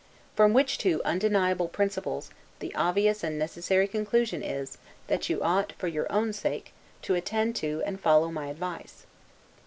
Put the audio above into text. From which two undeniable principles, the obvious and necessary conclusion is, that you ought, for your own sake, to attend to and follow my advice.